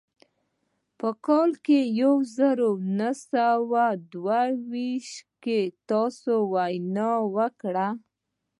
په کال يو زر و نهه سوه دوه ويشت کې تاسې وينا وکړه.